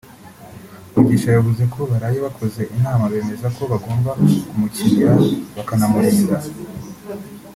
Mugisha yavuze ko baraye bakoze inama bemeza ko bagomba kumukinira bakanamurinda